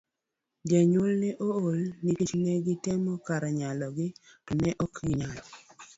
Jonyuolne ne ool nikech ne gitemo kar nyalogi to ne ok ginyal.